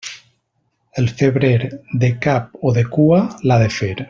El febrer, de cap o de cua, l'ha de fer.